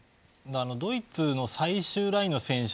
ドイツの最終ラインの選手